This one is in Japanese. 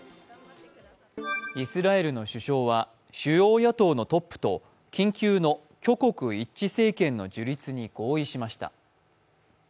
イスラエルの首相は主要野党の党首と緊急の挙国一致政権の樹立に合意しました。